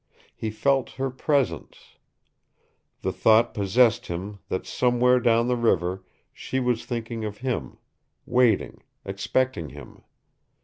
He felt her presence. The thought possessed him that somewhere down the river she was thinking of him, waiting, expecting him.